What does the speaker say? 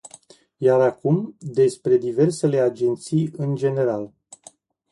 Iar acum, despre diversele agenții în general.